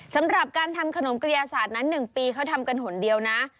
สำหรับการทำขนมกระยาศาสตร์นั้น๑ปีเขาทำกันหนเดียวนะ